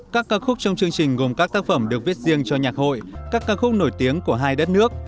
các ca khúc trong chương trình gồm các tác phẩm được viết riêng cho nhạc hội các ca khúc nổi tiếng của hai đất nước